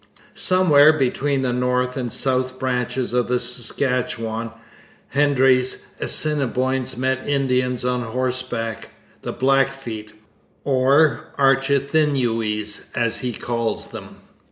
"' Somewhere between the north and south branches of the Saskatchewan, Hendry's Assiniboines met Indians on horseback, the Blackfeet, or 'Archithinues,' as he calls them.